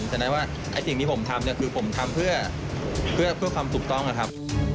ฉะนั้นว่าสิ่งที่ผมทำเนี่ยคือผมทำเพื่อความถูกต้องนะครับ